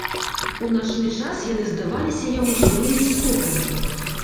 У начны час яны здаваліся яму жывымі істотамі.